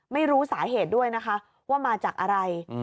ไม่รู้สาเหตุด้วยนะคะว่ามาจากอะไร